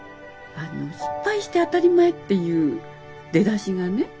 失敗して当たり前っていう出だしがね。